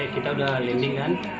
kita sudah landing kan